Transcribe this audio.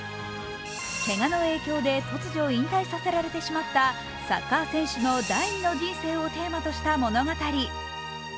けがの影響で突如、引退させられてしまったサッカー選手の第二の人生をテーマとした物語。